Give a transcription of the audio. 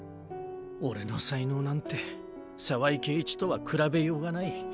俺の才能なんて澤井圭一とは比べようがない。